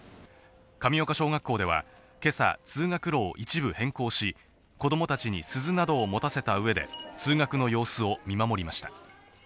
神岡小学校では、けさ、通学路を一部変更し、子どもたちに鈴などを持たせたうえで、通学の様子を見守りました。